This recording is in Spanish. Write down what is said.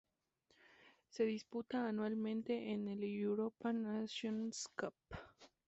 Se disputa anualmente en el European Nations Cup.